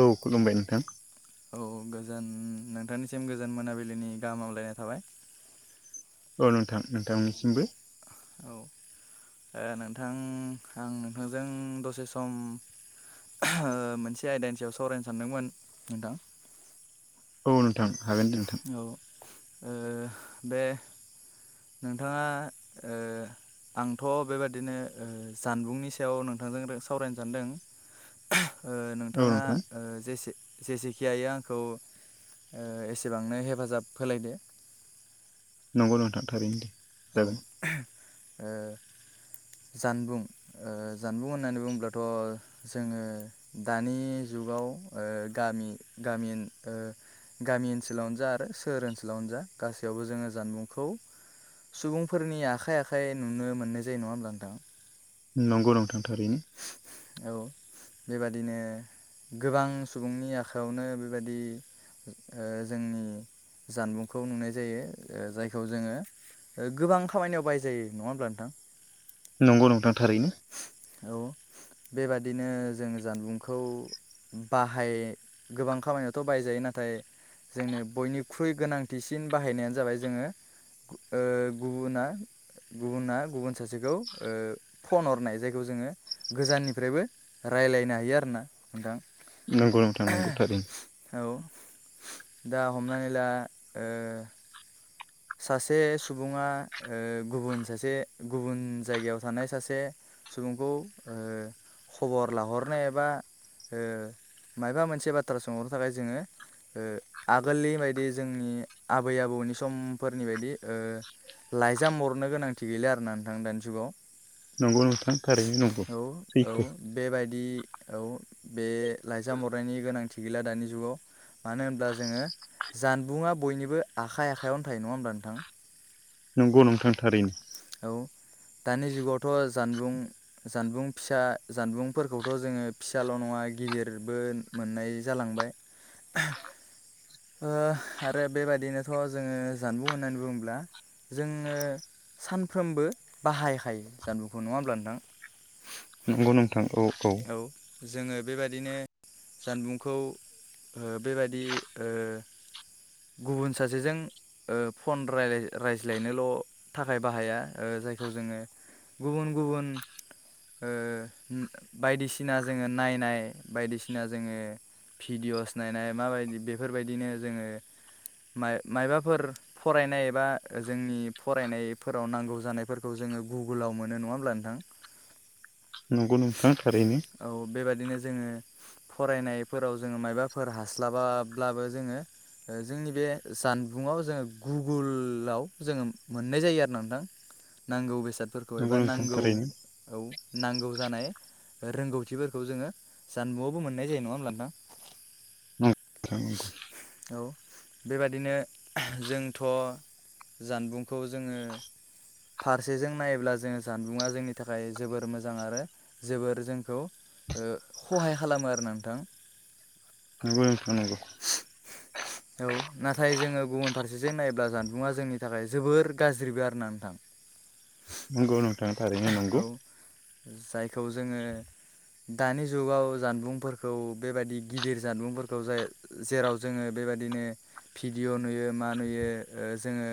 औ खुलुमबाय नोंथां। औ गोजोन नोंथांनिसिम गोजोन मोनाबिलिनि गाहाम हामलायनाय थाबाय। औ नोंथां नोंथांनिसिमबो औ नोंथां आं नोंथांजों दसे सम मोनसे आयदानि सायाव सावरायनो सानदोंमोन नोंथां। औ नों औ बे नोंथाङा आंथ' बेबादिनो जानबुंनि सायाव नोंथांजों सावरायनो सानदों। [inaudible] औ नोंथाङा नोंथां जेसेखि हायो आंखौ एसेबांनो हेफाजाब होलायदो। नंगौ नोंथां थारैनो दे औ जागोन। ओ जानबुं जानबुं होननानै बुङोब्लाथ' जोङो दानि जुगाव गामि गामि गामि ओनसोलावनो जा आरो सोहोर ओनसोलावनो जा गासैयावबो जोङो जानबुंखौ सुबुंफोरनि आखाइ आखाइ नुनो मोननाय जायो नङा होमब्ला नोंथां। नंगौ नोंथां थारैनो। औ बेबादिनो गोबां सुबुंनि आखायावनो बेबायदि ओ जोंनि जानबुंखौ नुनाय जायो ओ जायो जायखौ जोङो ओ गोबां खामानियाव बाय जायो नङा होमब्ला नोंथां नंगौ नोंथां थारैनो औ बेबादिनो जों जानबुंखौ बाहाय गोबां खामानियावथ' बाहायजायो नाथाय जोंनो बयनिख्रुइ गोनांथिसिन बाहायनायानो जाबाय जोङो ओ गुबुना गुबुना गुबुन सासेखौ ओ फन हरनाय जायखौ जोङो गोजाननिफ्रायबो रायलायनो हायो आरो ना नोंथां। नंगौ नोंथां नंगौ थारैनो औ दा हमनानै ला सासे सुबुङा ओ गुबुन सासे गुबुन जायगायाव थानाय सासे सुबुंखौ ओ खबर लाहरनाय एबा ओ माइबा मोनसे बाथ्रा सोंहरनो थाखाय जोङो ओ आगोलनि बायदि जोंनि आबै आबौनि सम फोरनि बायदि ओ लाइजाम हरनो गोनांथि गैला आरोना नोंथां दानि जुगाव नंगौ नोंथां थारैनो नंगौ औ औ सैथो बेबायदि औ बे लाइजाम हरनायनि गोनांथि गैला दानि जुगाव मानो होनब्ला जोङो जानबुंआ बयनिबो आखाइ आखायावनो थायो नङा होमब्ला नोंथां नंगौ नोंथां थारैनो औ दानि जुगावथ' जानबुं जानबुं फिसा जानबुंफोरखौथ' जोङो फिसाल' नङा गिदिरबो मोननाय जालांबाय ओ आरो बेबाददिनोथ' जोङो जानबुं होननानै बुङोब्ला जोङो सानफ्रोमबो बाहायखायो जानबुंखौ नङा होमब्ला नोंथां नंगौ नोंथां औ औ जोङो बेबायदिनो जानबुंखौ ओ बेबायदि ओ गुबुन सासेजों ओ फन रायाय रायज्लायनोल' थाखाय बाहाया ओ जायखौ जोङो गुबुन गुबुन ओ ओम बायदिसिना जोङो नायनाय बायदिसिना जोङो भिडिअ'स नायनाय माबायदि बेफोरबायदिनो जोङो माय मायाबाफोर फरायनाय एबा जोंनि फरायनायफोराव नांगौ जानायफोरखौ जों जोङो गुगोलाव मोनो नङा होमब्ला नोंथां नंगौ नोंथां थारैनो औ बेबादिनो जोङो फरायनायफोराव जोङो मायबाफोर हास्लाबाब्लाबो जोङो ओ जोंनि बे जानबुङाव जोङो गुगुलाव जोङो मोननाय जायो आरो नोंथां नांगौ बेसादफोरखौ नंगौ एबा नोंथां नांगौ थारैनो औ नांगौ जानाय रोंगौथिफोरखौ जोङो जानबुंआवबो मोननाय जायो नङा होमब्ला नोंथां नंगौ नंगौ औ बेबादिनो जोंथ' जानबुंखौ जोङो फारसेजों नायोब्ला जोङो जानबुंङा जोंनि थाखाय जोबोर मोजां आरो जोबोर जोंखौ ओ खहाय खालामो आरो नोंथां [unintelligible] औ नाथाय जोङो गुबुन फारसेजों नायोब्ला जानबुंङा जोंनि थाखाय जोबोर गाज्रिबो आरो ना नोंथां नंगौ नोंथां थारैनो औ नंगौ जायखौ जोङो दानि जुगाव जानबुंफोरखौ बेबायदि गिदिर जानबुंफोरखौ जाय जेराव जोङो बे बेबायदिनो भिडिअ' नुयो मा नुयो ओ जोङो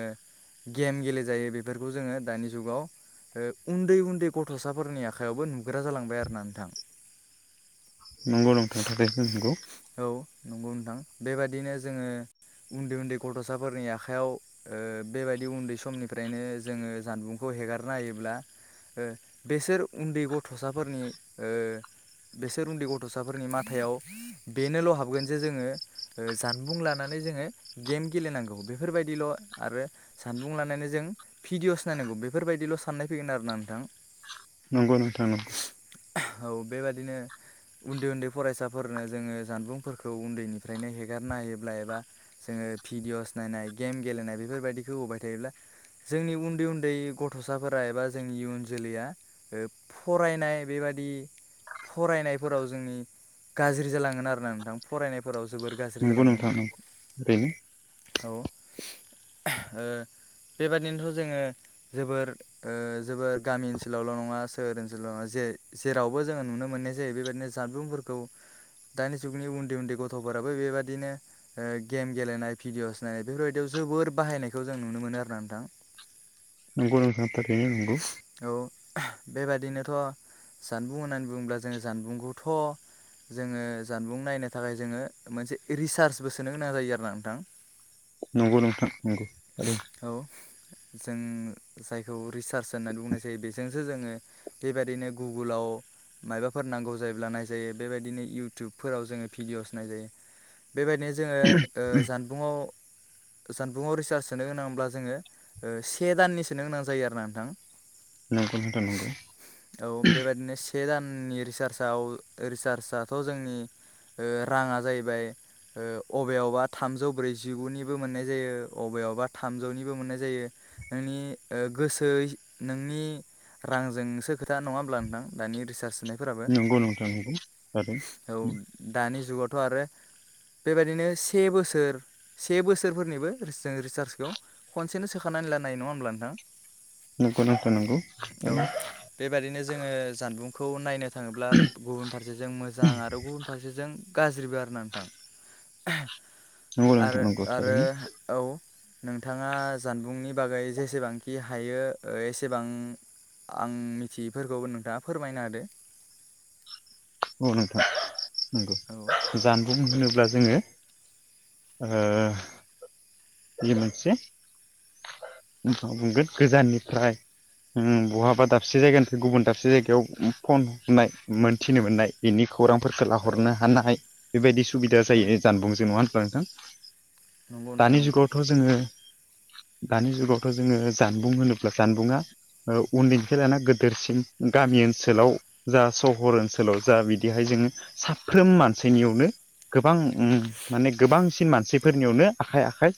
गेम गेलेजायो बेफोरखौ जोङो दानि जुगाव ओ उन्दै उन्दै गथ'साफोरनि आखायावबो नुग्रा जालांबाय आरोना नोंथां नंगौ नोंथां थारैनो नंगौ औ नंगौ नोंथां बेबादिनो जोङो उन्दै उन्दै गथ'साफोरनि आखाइायाव ओ बेबायदि उन्दै समनिफ्रायनो जोङो जानबुंखौ हेगारना हनायोब्ला ओ बेसोर उन्दै गथ'साफोरनि ओ बेसोर उन्दै गथ'साफोरनि माथायाव बेनोल' हाबगोन जे जोङो ओ जानबुं लानानै जोङो गेम गेलेनांगौ बेफोरबायदिल' आरो जानबुं लानानै जों भिडिअस नायनांगौ बेफोरबायदिल' साननाय फैगोन आरोना नोंथां नंगौ नोंथां नंगौ औ बेबादिनो उन्दै उन्दै फरायसाफोरनो जोङो जानबुंफोरखौ उन्दैनिफ्रायनो हेगारनायोब्ला एबा जोङो भिडिअस नायनाय गेम गेलेनाय बेफोरबायदिखौ होबाय थायोब्ला जोंनि उन्दै उन्दै गथ'साफोरा एबा जोंनि इयुन जोलैया ओ फरायनाय बेबादि फरायनायफोराव जोंनि गाज्रि जालांगोन आरोना नोंथां फरायनायफोराव जोबोर गाज्रि नंगौ जालांगोन नोंथां नंगौ थारैनो औ [inaudible] ओ बेबादिनोथ' जोङो जोबोर ओ जोबोर गामि ओनसोलावल' नङा सोर ओनसोलाव जे जेरावबो जोङो नुनो मोननाय जायो बेबायदिनो जानबुंफोरखौ दानि जुगनि उन्दै उन्दै गथ'फोराबो बेबायादिनो ओ गेम गेलेनाय भिडिअ'स नाय बेफोरबायदियाव जोबोर बाहायनायखौ जों नुनो मोनो आरोना नोंथां। नोंगौ नोथां थारैनो नोंगौ औ बेबादिनोथ' जानबुं होननानै बुङोब्ला जों जानबुंखौथ' जोङो जानबुं नायनो थाखाय जोङो मोनसे रिसार्चबो सोनो गोनां जायो आरोना नोंथां। नंगौ नंथां नंगौ थारैनो औ जों जायखौ रिसार्च होननानै बुंनाय जायो बेजोंसो जोङो बेबायदिनो गुगोलाव मायबाफोर नांगौ जायोब्ला नायजायो बेबायदिनो इउटुबफोराव जोङो भिडिअ'स नायजायो बेबायदिनो जोङो ओ जानबुंङाव जानबुंआव रिसार्ज सोनो गोनांब्ला जोङो ओ से दाननि सोनो गोनां जायो आरोना नोंथां। नों औ बेबायदिनो से दाननि रिसार्जआव रिसार्जआथ' जोंनि ओ राङा जाहैबाय ओ अबेयावबा थामजौ ब्रैजिगुनिबो मोननाय जायो अबेयावबा थामजौनिबो मोननाय जायो। नोंनि ओ गोसोय नोंनि रांजोंसो खोथा नङा होमब्ला नोंथां दानि रिसार्ज सोनायफोराबो नंगौ नोंथां नंगौ थारैनो औ दानि जुगावथ' आरो बेबायदिनो से बोसोर से बोसोरफोरनिबो जों रिसार्जखौ खनसेनो सोखानानै लानो हायो नङा होमब्ला नोंथां। नोंंगौ नंगौ नोंगौ। औ बेबादिनो जोङो जानबुंखौ नायनो थाङोब्ला गुबुन फारसेजों मोजां आरो गाज्रिबो आरो ना नोंथां नंगौ नोंथां आरो नंगौ आरो थारैनो औ नोंथाङा जानबुंनि बागै जेसेबांखि हायो एसेबां आं मिथियैफोरखौबो नोंथाङा फोरमायनो होदो औ नोंथां नोंगौ जानबुं होनोब्ला जोङो ओ बि मोनसे नोंथां बुंगोन गोजाननिफ्राय ओम बहाबा दाबसे जायगानिफ्राय गुबुन दाबसे जायगायाव फन हरनाय मोनथि नोमोननाय बिनि खौरांफोरखौ औ लाहरनो हानाय बेबायदि सुबिदा औ जायो जानबुं जो नङा बा नोंथां नंगौ नोंथां दानि नंगौ जुगावथ' जोङो दानि जुगावथ' जोङो जानबुं होनोब्ला जानबुंङा उन्दैनिफ्राय लाना गदेरसिन गामि ओनसोलाव जा सहर ओनसोल ओनसोलाव जा बिदिहाय जोङो साफ्रोम मानसिनियावनो गोबां माने गोबांसिन मानसिफोरनियावनो आखाइ आखाइ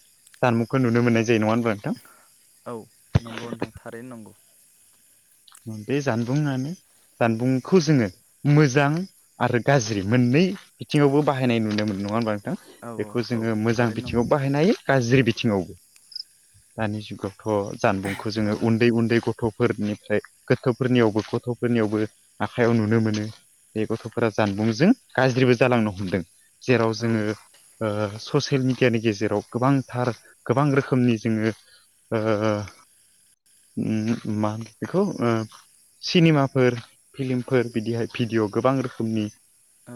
जानमुंखौ नुनो मोननायायो औ नंगौ नोंथां थारैनो नंगौ बे जानबुंङानो जानबुंखौ जोङो मोजां आरो गाज्रि मोननै बिथिङावबो बाहायनाय नुनो मोनो नङा होमबा औ औ बेखौ औ जोङो मोजां थारैनो बिथिङाव नंगौ बाहायनो हायो गाज्रि बिथिङावबो दानि जुगाव गथ' जानबुंखौ औ जोङो उन्दै उन्दै गथ'फोरनिफ्राय गोथोफोरनियावबो गथ'फोरनियावबो आखाइयाव नुनो मोनो बे गथ'फोरा जानबुंजों गाज्रिबो जालांनो हमदों जेराव औ जोङो ससियेल मिडियानि गेजेराव गोबांथार गोबां रोखोमनि जोङो मा होनो बेखौ सिनेमाफोर फिल्मफोर बिदिहाय भिडिअ' गोबां रोखोमनि औ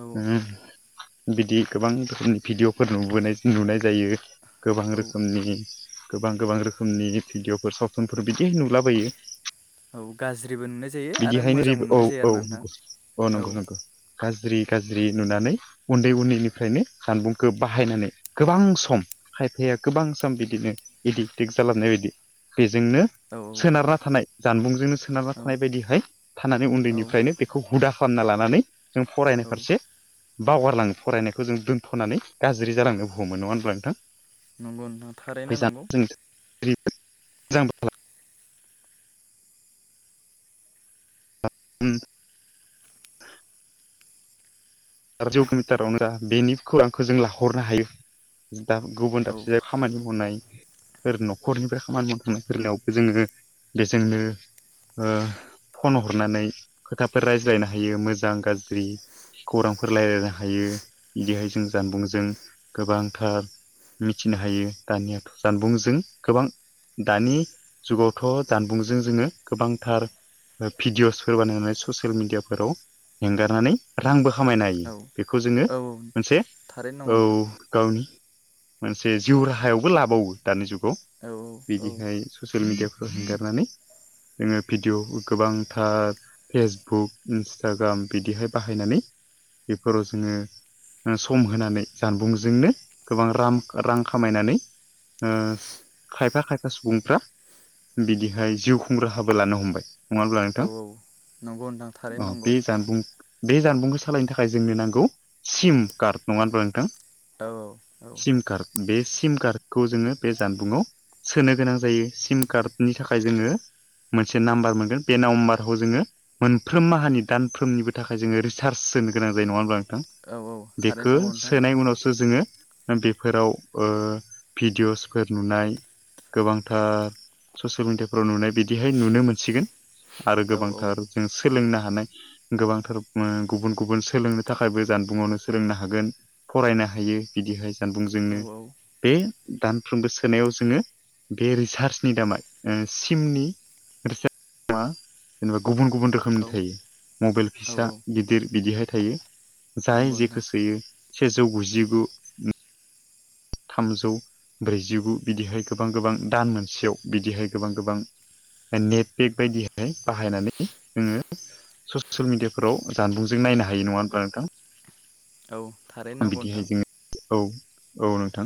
बिदि गोबां रोखोमनि भिडिअफोर नोनाय नुनाय जायो गोबां औ रोखोमनि गोबां गोबां रोखोमनि भिडिअ'फोर सावथुनफोर बिदिहै नुलाबायो औ गाज्रिबो नुनाय जायो आरो बिदिहायनो रि मोजांबो औ नुनाय जायो आरोना नोंथां औंगौ औ नंगौ नंगौ गाज्रि गाज्रि नुनानै उन्दै उन्दैनिफ्रायनो जानबुंखौ बाहायनानै गोबां सम खायफेर गोबां सम बिदिनो इदिग दिग जाालबनाय बायदि बेजोंनो औ सोनारना थानाय जानबुंजोंनो सोनारना औ थानाय बायदिहाय थानानै औ उन्दैनिफ्रायनो बेखौ हुदा खालामना लानानै जों फरायनो औ फारसे बावगारलाङो फरायनायखौ जों दोन्थ'नानै गाज्रि जालांनो बुहोमोन नङा होनब्ला नोंथां नंगौ होनना थारैना नंगौ मोजां उ जौग मििटारावनो जा बेनिखौ आंखौ जों लाहरनो हायो दाब गुबुन औ दाबसेयाव खामानि मावनाय फोर न'खरनिफ्राय खामानि मावखांनाय फोरलायावबो जोङो बेजोंनो फन हरनानै खोथाफोर रायज्लायनो हायो मोजां गाज्रि खौरांफोर रायजलायनो हायो बिदिहाय जों जानबुंजों गोबांथार मिथिनो हायो दानियाथ' जानबुंजों गोबां दानि जुगावथ' जानबुंजों जोङो गोबांथार भिडिअसफोर बानायनानै ससियेल मिडियाफोराव हंगारनानै रांबो खामायनो हायो औ बेखौ जोङो औ औ मोनसे थारैनो नंगौ औ नोंथां गावनि मोनसे जिउ राहायावबो लाबावो दानि जुगाव औ औ बिदिहाय ससियेल मिडिया खौ हगारनानै जोङो भिडिअ गोबांथार फेसबुक इन्सटाग्राम बिदिहाय बाहायनानै बेफोराव जोङो सम होनानै जानबुंजोंनो गोबां रां रां खामायनानै ओ खायफा खायफा सुबुंफ्रा बिदिहाय जिउ खुंग्रा हाबो लानो हमबाय नङा होनब्ला औ नोंथां नंगौ नोंथां अ थारैनो नंगौ बे जानबुं बे जानबुंखौ स सालायनो थाखाय जोंनो नांगौ सिम कार्ड नङा होनबा नोंथां औ-औ-औ सिम कार्ड बे सिम कार्डखौ जोङो बे जानबुंाव सोनो गोनां जायो सिम कार्डनि थाखाय जोङो मोनसे नाम्बार मोनगोन बे नाम्बारखौ जोङो मोनफ्रोम माहानि दानफ्रोमनिबो थाखाय जोङो रिसार्च सोनो गोनां जायो नङा होनोमब्ला नोंथां औ थारैनो बेखौ नंगौ नोंथां सोनाय उनावसो जोङो बेफोराव भिडिअ'सफोर नुनाय गोबांथार ससियेल मिडियाफ्राव नुनाय बिदिहाय नुनो मोनसिगोन आरो औ औ गोबांथार जों सोलोंनो हा नाय गोबांथार ओ गुबन गुबुन सोलोंनो थाखायबो जानबुंआवनो सोलोंनो हागोन फरायनो हायो बिदिहाय जानबुंजोंनो औ बे दानफ्रोमबो सोनायाव जोङो बे रिसार्चनि दामा सिमनि [unintelligible] जेनेबा गुबुन गुबुन औ रोखोमनि थायो मबाइल फिसा औ गिदिर बिदिहाय थायो। जाय नंगौ नोंथां जेखौ सोयो सेजौ गुजिगु थामजौ ब्रैजिगु बिदिहाय गोबां गोबां दान मोनसेयाव बिदिहाय गोबां गोबां नेटपेक बायदिहाय बाहायनानै जोङो ससियेल मिडियाफोराव जानबुंजों नायनो हायो नङा होनबा नोंथां? औ थारैनो नंगौ नोंथां। बिदिहाय जोङो औ औ नोंथां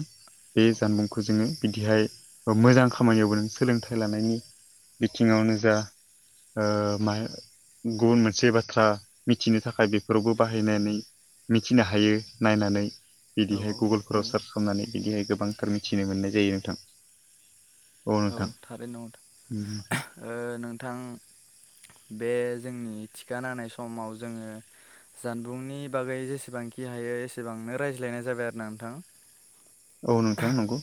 बे औ जानबुंखौ जोङो बिदिहाय ओ मोजां खामानिआवबो नों सोलोंथाइ लानायनि बिथिंआवनो जा ओ मा गुबुन मोनसे बाथ्रा मिथिनो थाखाय बेफोरावबो बाहायनानै मिथिनो हायो नायनानै औ इदिहाय औ गुगोलफोराव सार्च खालामनानै इदिहाय गोबांथार मिथिनो मोननाय जायो नोंथां औ थारैनो नंगौथ'ओ नोंथां बे जोंनि थिखाना होनाय समाव जोङो जानबुंनि बागै जेसेबांखि हायो एसेबांनो रायज्लायनाय जाबाय आरो ना नोंथां औ नोंथां नंगौ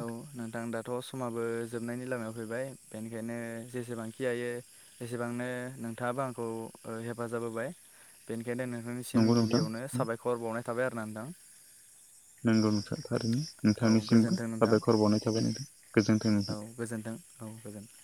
ओह औ नोंथां दा समाबो जोबनायनि लामायाव फैबाय बेनिखायनो जेसेबांखि जायो एसेबांनो नोंथांआबो बो आंखौ ओ हेफाजाब होबाय बेनि बिनिखायनो नोंथांनिसिम नंगौ नोंथां गिबियावनो साबायखर बावनाय थाबाय आरो ना नोंथां नंगौ नोंथां थारैनो औ नोंथांनिसिमबो गोजोन्थों नोंथां साबायखर बावनाय थाबाय नोंदों गोजोनथों औ गोजोनथों औ गोजोनथों